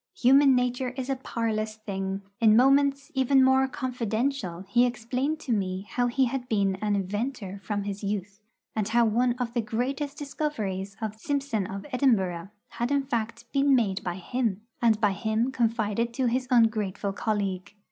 Human nature is a parlous thing. In moments even more confidential he explained to me how he had been an inventor from his youth, and how one of the greatest discoveries of Simpson of Edinburgh had in fact been made by him, and by him confided to his ungrateful colleague.